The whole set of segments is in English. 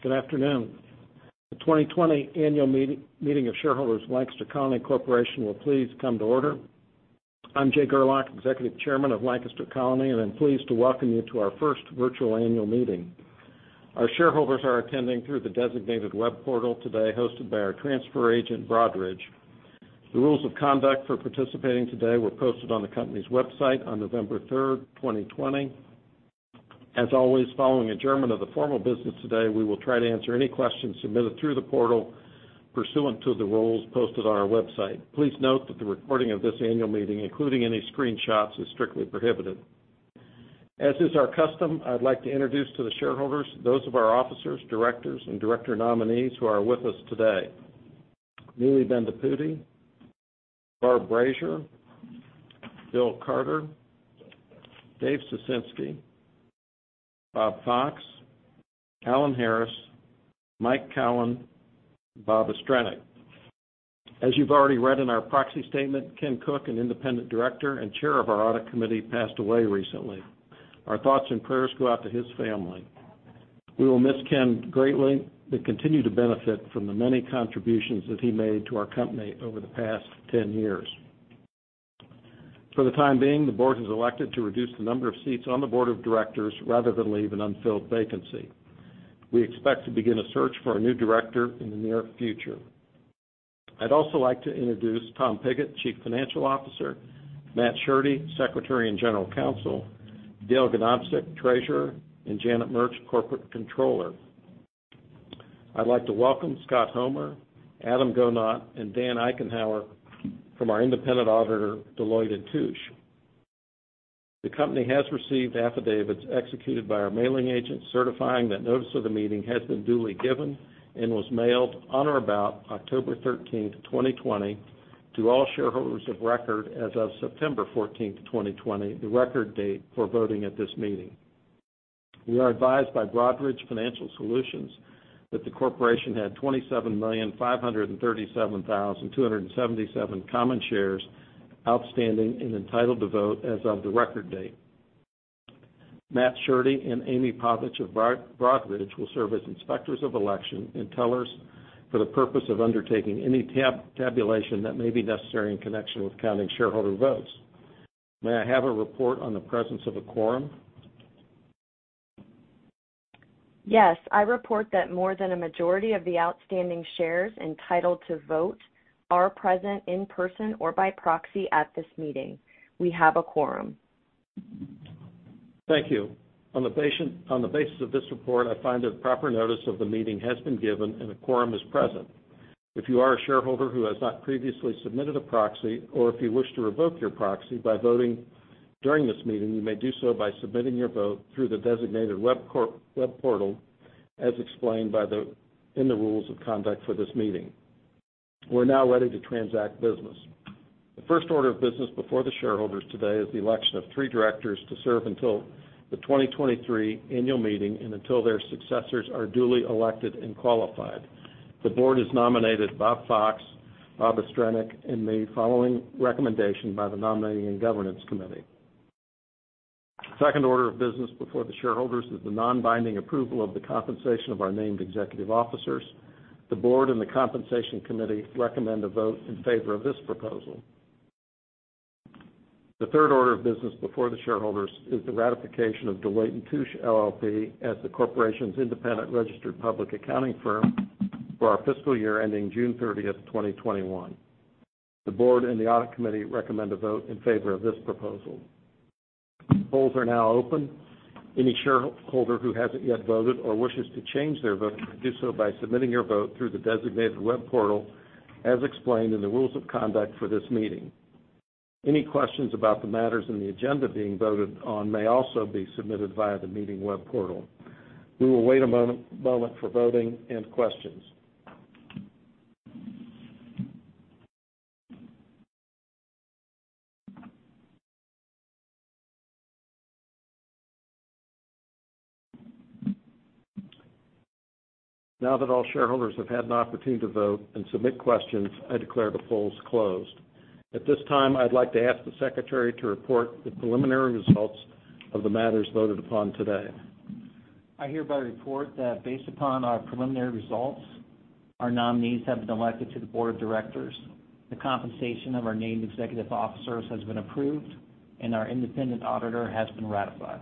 Good afternoon. The 2020 Annual Meeting of Shareholders of Lancaster Colony Corporation will please come to order? I'm Jay Gerlach, Executive Chairman of Lancaster Colony, and I'm pleased to welcome you to our first virtual annual meeting. Our shareholders are attending through the designated web portal today, hosted by our transfer agent, Broadridge. The rules of conduct for participating today were posted on the company's website on November 3, 2020. As always, following adjournment of the formal business today, we will try to answer any questions submitted through the portal pursuant to the rules posted on our website. Please note that the recording of this annual meeting, including any screenshots, is strictly prohibited. As is our custom, I'd like to introduce to the shareholders those of our officers, directors, and director nominees who are with us today: Millie Vande Poole, Barb Brasier, Bill Carter, Dave Ciesinski, Bob Fox, Alan Harris, Mike Cowan, and Bob Astranek. As you've already read in our proxy statement, Ken Cook, an independent director and chair of our audit committee, passed away recently. Our thoughts and prayers go out to his family. We will miss Ken greatly and continue to benefit from the many contributions that he made to our company over the past 10 years. For the time being, the board has elected to reduce the number of seats on the board of directors rather than leave an unfilled vacancy. We expect to begin a search for a new director in the near future. I'd also like to introduce Tom Pigott, Chief Financial Officer; Matt Schurte, Secretary and General Counsel; Dale Ganobsik, Treasurer; and Janet Merch, Corporate Controller. I'd like to welcome Scott Homer, Adam Gonot, and Dan Eichenhauer from our independent auditor, Deloitte & Touche. The company has received affidavits executed by our mailing agent, certifying that notice of the meeting has been duly given and was mailed on or about October 13th, 2020, to all shareholders of record as of September 14th, 2020, the record date for voting at this meeting. We are advised by Broadridge Financial Solutions that the corporation had 27,537,277 common shares outstanding and entitled to vote as of the record date. Matt Schurte and Amy Pavich of Broadridge will serve as inspectors of election and tellers for the purpose of undertaking any tabulation that may be necessary in connection with counting shareholder votes. May I have a report on the presence of a quorum? Yes. I report that more than a majority of the outstanding shares entitled to vote are present in person or by proxy at this meeting. We have a quorum. Thank you. On the basis of this report, I find that proper notice of the meeting has been given and a quorum is present. If you are a shareholder who has not previously submitted a proxy or if you wish to revoke your proxy by voting during this meeting, you may do so by submitting your vote through the designated web portal as explained in the rules of conduct for this meeting. We're now ready to transact business. The first order of business before the shareholders today is the election of three directors to serve until the 2023 Annual Meeting and until their successors are duly elected and qualified. The board has nominated Bob Fox, Bob Astranek, and me following recommendation by the Nominating and Governance Committee. The second order of business before the shareholders is the non-binding approval of the compensation of our named executive officers. The board and the compensation committee recommend a vote in favor of this proposal. The third order of business before the shareholders is the ratification of Deloitte & Touche LLP as the corporation's independent registered public accounting firm for our fiscal year ending June 30, 2021. The board and the audit committee recommend a vote in favor of this proposal. Polls are now open. Any shareholder who has not yet voted or wishes to change their vote can do so by submitting your vote through the designated web portal as explained in the rules of conduct for this meeting. Any questions about the matters in the agenda being voted on may also be submitted via the meeting web portal. We will wait a moment for voting and questions. Now that all shareholders have had an opportunity to vote and submit questions, I declare the polls closed. At this time, I'd like to ask the secretary to report the preliminary results of the matters voted upon today. I hereby report that based upon our preliminary results, our nominees have been elected to the board of directors, the compensation of our named executive officers has been approved, and our independent auditor has been ratified.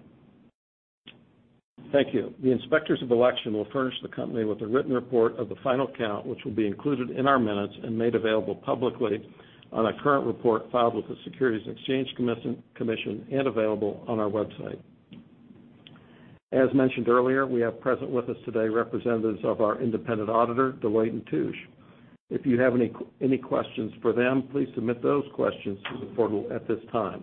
Thank you. The inspectors of election will furnish the company with a written report of the final count, which will be included in our minutes and made available publicly on a current report filed with the Securities and Exchange Commission and available on our website. As mentioned earlier, we have present with us today representatives of our independent auditor, Deloitte & Touche. If you have any questions for them, please submit those questions to the portal at this time.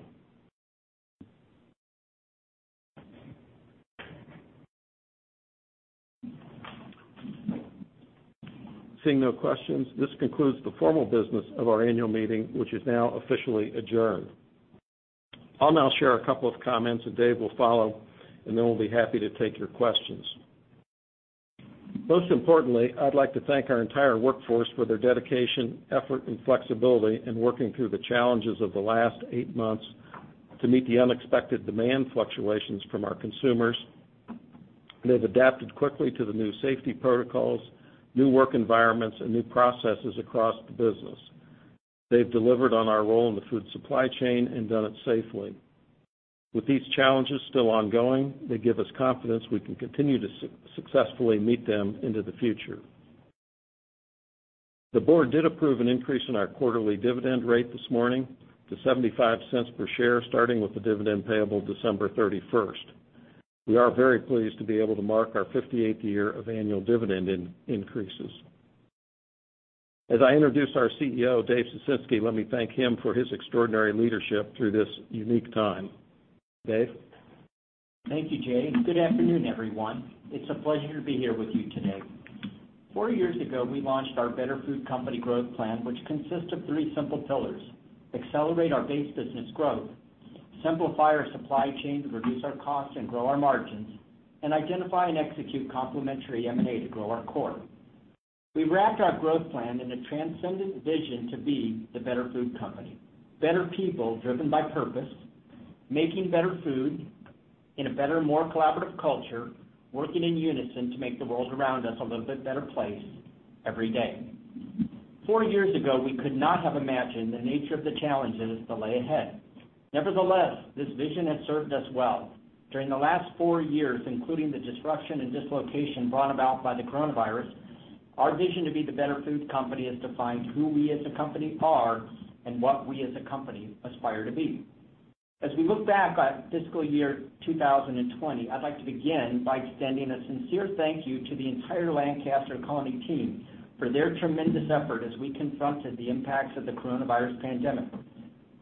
Seeing no questions, this concludes the formal business of our annual meeting, which is now officially adjourned. I'll now share a couple of comments, and Dave will follow, and then we'll be happy to take your questions. Most importantly, I'd like to thank our entire workforce for their dedication, effort, and flexibility in working through the challenges of the last eight months to meet the unexpected demand fluctuations from our consumers. They've adapted quickly to the new safety protocols, new work environments, and new processes across the business. They've delivered on our role in the food supply chain and done it safely. With these challenges still ongoing, they give us confidence we can continue to successfully meet them into the future. The board did approve an increase in our quarterly dividend rate this morning to $0.75 per share, starting with the dividend payable December 31. We are very pleased to be able to mark our 58th year of annual dividend increases. As I introduce our CEO, Dave Ciesinski, let me thank him for his extraordinary leadership through this unique time. Dave? Thank you, Jay. Good afternoon, everyone. It's a pleasure to be here with you today. Four years ago, we launched our Better Food Company Growth Plan, which consists of three simple pillars: accelerate our base business growth, simplify our supply chain, reduce our costs and grow our margins, and identify and execute complementary M&A to grow our core. We wrapped our growth plan in a transcendent vision to be the Better Food Company: better people driven by purpose, making better food in a better, more collaborative culture, working in unison to make the world around us a little bit better place every day. Four years ago, we could not have imagined the nature of the challenges that lay ahead. Nevertheless, this vision has served us well. During the last four years, including the disruption and dislocation brought about by the coronavirus, our vision to be the Better Food Company has defined who we as a company are and what we as a company aspire to be. As we look back at fiscal year 2020, I'd like to begin by extending a sincere thank you to the entire Lancaster Colony team for their tremendous effort as we confronted the impacts of the coronavirus pandemic.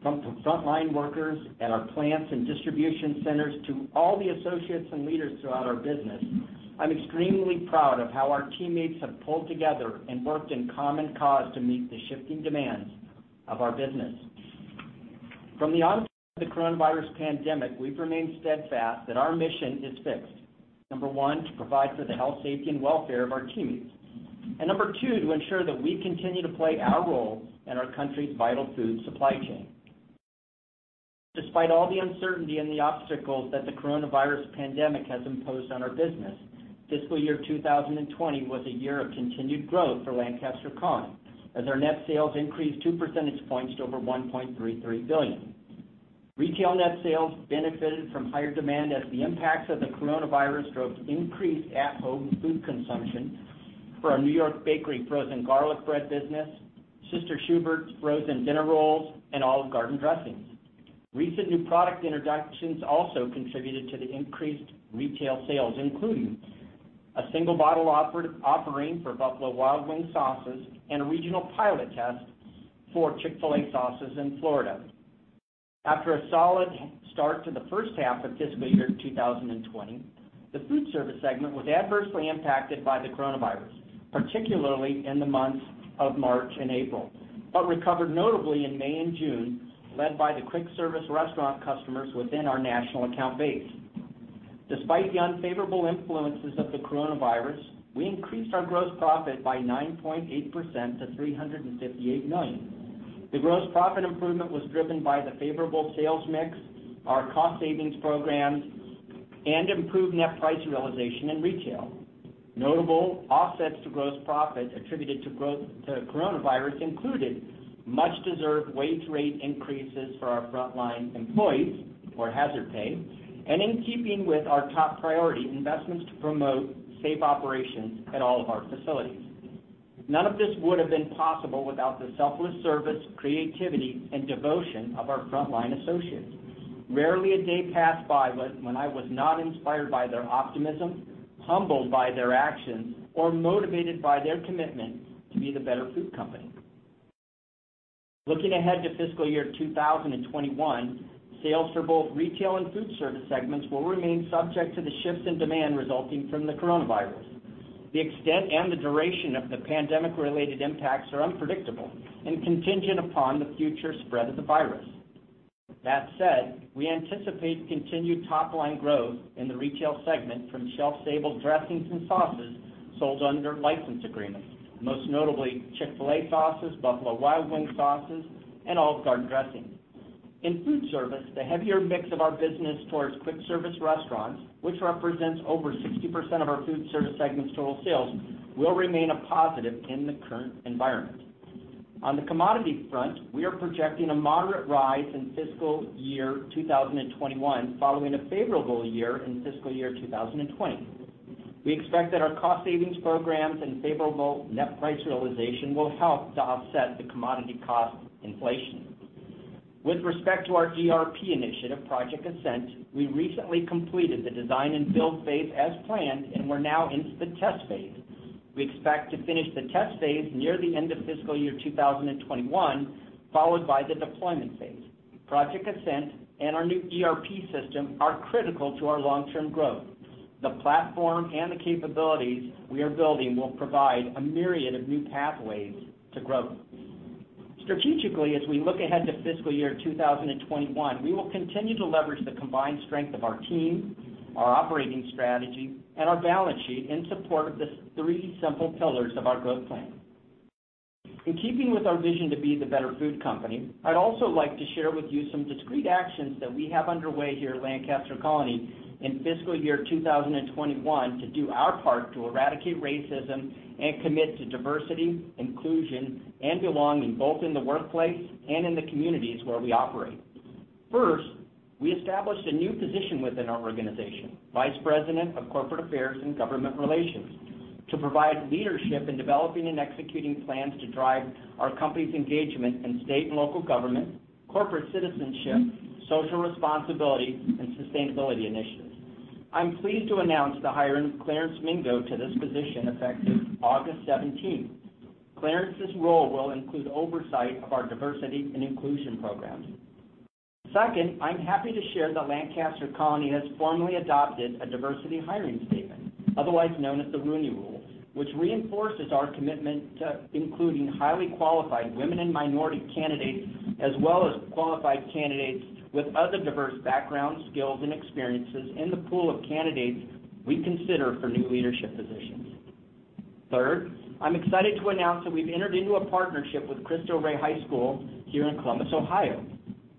From frontline workers at our plants and distribution centers to all the associates and leaders throughout our business, I'm extremely proud of how our teammates have pulled together and worked in common cause to meet the shifting demands of our business. From the onset of the coronavirus pandemic, we've remained steadfast that our mission is fixed: number one, to provide for the health, safety, and welfare of our teammates; and number two, to ensure that we continue to play our role in our country's vital food supply chain. Despite all the uncertainty and the obstacles that the coronavirus pandemic has imposed on our business, fiscal year 2020 was a year of continued growth for Lancaster Colony as our net sales increased 2% to over $1.33 billion. Retail net sales benefited from higher demand as the impacts of the coronavirus drove increased at-home food consumption for our New York Bakery frozen garlic bread business, Sister Schubert's frozen dinner rolls, and Olive Garden dressings. Recent new product introductions also contributed to the increased retail sales, including a single bottle offering for Buffalo Wild Wings sauces and a regional pilot test for Chick-fil-A sauces in Florida. After a solid start to the first half of fiscal year 2020, the food service segment was adversely impacted by the coronavirus, particularly in the months of March and April, but recovered notably in May and June, led by the quick-service restaurant customers within our national account base. Despite the unfavorable influences of the coronavirus, we increased our gross profit by 9.8% to $358 million. The gross profit improvement was driven by the favorable sales mix, our cost savings programs, and improved net price realization in retail. Notable offsets to gross profit attributed to coronavirus included much-deserved wage rate increases for our frontline employees, or hazard pay, and in keeping with our top priority investments to promote safe operations at all of our facilities. None of this would have been possible without the selfless service, creativity, and devotion of our frontline associates. Rarely a day passed by when I was not inspired by their optimism, humbled by their actions, or motivated by their commitment to be the Better Food Company. Looking ahead to fiscal year 2021, sales for both retail and food service segments will remain subject to the shifts in demand resulting from the coronavirus. The extent and the duration of the pandemic-related impacts are unpredictable and contingent upon the future spread of the virus. That said, we anticipate continued top-line growth in the retail segment from shelf-stable dressings and sauces sold under license agreements, most notably Chick-fil-A sauces, Buffalo Wild Wings sauces, and Olive Garden dressings. In food service, the heavier mix of our business towards quick-service restaurants, which represents over 60% of our food service segment's total sales, will remain a positive in the current environment. On the commodity front, we are projecting a moderate rise in fiscal year 2021 following a favorable year in fiscal year 2020. We expect that our cost savings programs and favorable net price realization will help to offset the commodity cost inflation. With respect to our ERP initiative, Project Ascent, we recently completed the design and build phase as planned and we're now into the test phase. We expect to finish the test phase near the end of fiscal year 2021, followed by the deployment phase. Project Ascent and our new ERP system are critical to our long-term growth. The platform and the capabilities we are building will provide a myriad of new pathways to growth. Strategically, as we look ahead to fiscal year 2021, we will continue to leverage the combined strength of our team, our operating strategy, and our balance sheet in support of the three simple pillars of our growth plan. In keeping with our vision to be the Better Food Company, I'd also like to share with you some discrete actions that we have underway here at Lancaster Colony in fiscal year 2021 to do our part to eradicate racism and commit to diversity, inclusion, and belonging both in the workplace and in the communities where we operate. First, we established a new position within our organization, Vice President of Corporate Affairs and Government Relations, to provide leadership in developing and executing plans to drive our company's engagement in state and local government, corporate citizenship, social responsibility, and sustainability initiatives. I'm pleased to announce the hiring of Clarence Mingo to this position effective August 17th. Clarence's role will include oversight of our diversity and inclusion programs. Second, I'm happy to share that Lancaster Colony has formally adopted a diversity hiring statement, otherwise known as the Rooney Rule, which reinforces our commitment to including highly qualified women and minority candidates as well as qualified candidates with other diverse backgrounds, skills, and experiences in the pool of candidates we consider for new leadership positions. Third, I'm excited to announce that we've entered into a partnership with Cristo Rey High School here in Columbus, Ohio.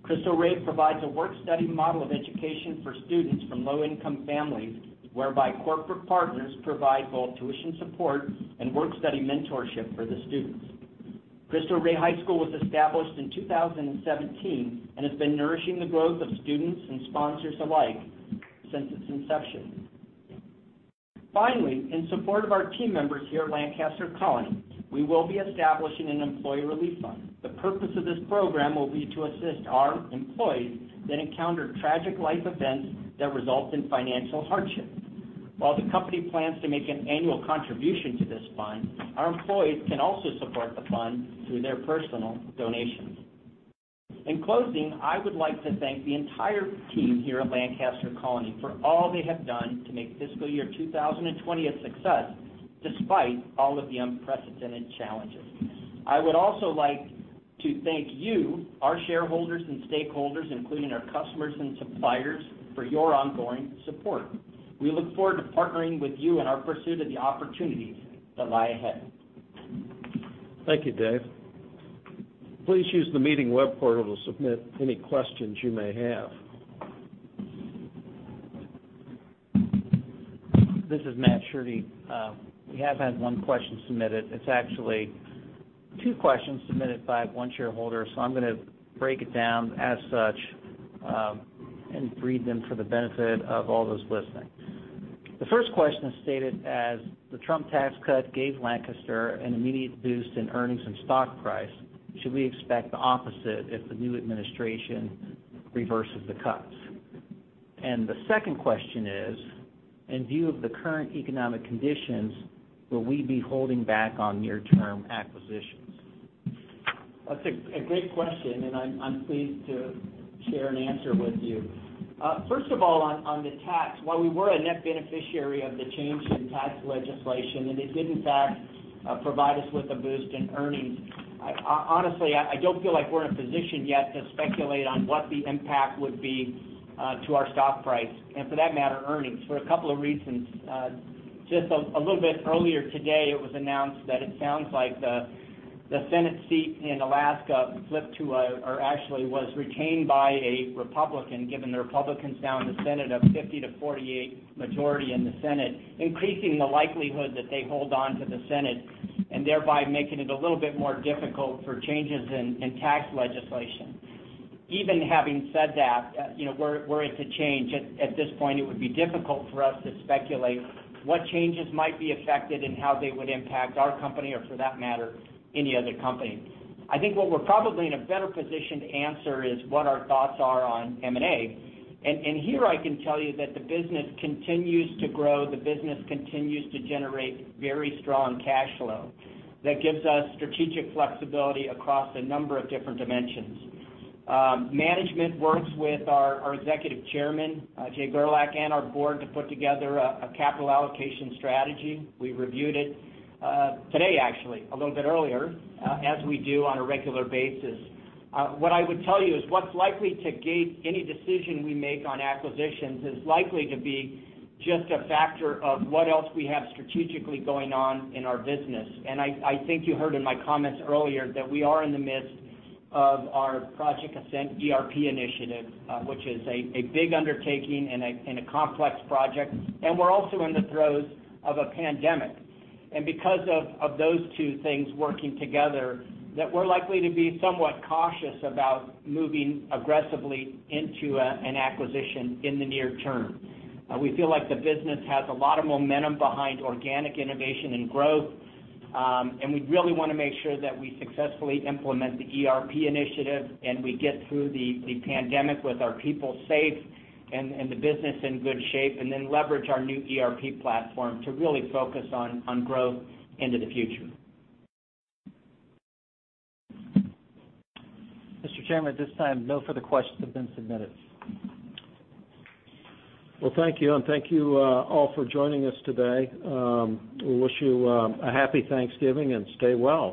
Cristo Rey provides a work-study model of education for students from low-income families, whereby corporate partners provide both tuition support and work-study mentorship for the students. Cristo Rey High School was established in 2017 and has been nourishing the growth of students and sponsors alike since its inception. Finally, in support of our team members here at Lancaster Colony, we will be establishing an employee relief fund. The purpose of this program will be to assist our employees that encounter tragic life events that result in financial hardship. While the company plans to make an annual contribution to this fund, our employees can also support the fund through their personal donations. In closing, I would like to thank the entire team here at Lancaster Colony for all they have done to make fiscal year 2020 a success despite all of the unprecedented challenges. I would also like to thank you, our shareholders and stakeholders, including our customers and suppliers, for your ongoing support. We look forward to partnering with you in our pursuit of the opportunities that lie ahead. Thank you, Dave. Please use the meeting web portal to submit any questions you may have. This is Matt Schurte. We have had one question submitted. It's actually two questions submitted by one shareholder, so I'm going to break it down as such and read them for the benefit of all those listening. The first question is stated as, "The Trump tax cut gave Lancaster an immediate boost in earnings and stock price. Should we expect the opposite if the new administration reverses the cuts?" The second question is, "In view of the current economic conditions, will we be holding back on near-term acquisitions? That's a great question, and I'm pleased to share an answer with you. First of all, on the tax, while we were a net beneficiary of the change in tax legislation, it did, in fact, provide us with a boost in earnings. Honestly, I don't feel like we're in a position yet to speculate on what the impact would be to our stock price and, for that matter, earnings, for a couple of reasons. Just a little bit earlier today, it was announced that it sounds like the Senate seat in Alaska flipped to or actually was retained by a Republican, giving the Republicans now in the Senate a 50 to 48 majority in the Senate, increasing the likelihood that they hold on to the Senate and thereby making it a little bit more difficult for changes in tax legislation. Even having said that, we're in a change. At this point, it would be difficult for us to speculate what changes might be affected and how they would impact our company or, for that matter, any other company. I think what we're probably in a better position to answer is what our thoughts are on M&A. Here, I can tell you that the business continues to grow. The business continues to generate very strong cash flow that gives us strategic flexibility across a number of different dimensions. Management works with our Executive Chairman, Jay Gerlach, and our board to put together a capital allocation strategy. We reviewed it today, actually, a little bit earlier, as we do on a regular basis. What I would tell you is what's likely to gate any decision we make on acquisitions is likely to be just a factor of what else we have strategically going on in our business. I think you heard in my comments earlier that we are in the midst of our Project Ascent ERP initiative, which is a big undertaking and a complex project. We are also in the throes of a pandemic. Because of those two things working together, we are likely to be somewhat cautious about moving aggressively into an acquisition in the near term. We feel like the business has a lot of momentum behind organic innovation and growth, and we really want to make sure that we successfully implement the ERP initiative and we get through the pandemic with our people safe and the business in good shape, and then leverage our new ERP platform to really focus on growth into the future. Mr. Chairman, at this time, no further questions have been submitted. Thank you, and thank you all for joining us today. We wish you a happy Thanksgiving and stay well.